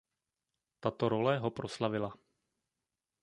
Tato role ho proslavila.